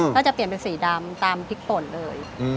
ก็จะเปลี่ยนเป็นสีดำตามพริกป่นเลย